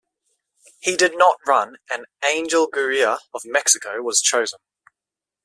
He did not run and Angel Gurria of Mexico was chosen.